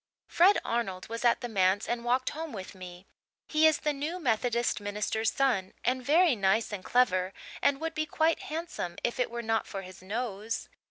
"Fred Arnold was at the manse and walked home with me. He is the new Methodist minister's son and very nice and clever, and would be quite handsome if it were not for his nose.